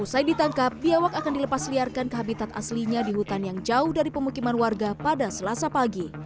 usai ditangkap biawak akan dilepas liarkan ke habitat aslinya di hutan yang jauh dari pemukiman warga pada selasa pagi